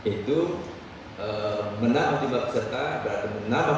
itu menambah jumlah peserta berarti menambah